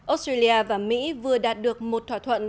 australia và mỹ vừa đạt được một thỏa thuận